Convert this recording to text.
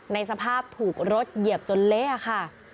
ในสภาพถูกรถเหยียบจนเละค่ะ